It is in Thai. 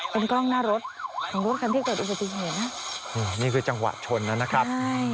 เป็นกล้องหน้ารถของรถคันที่เกิดอุบัติเหตุนะนี่คือจังหวะชนแล้วนะครับ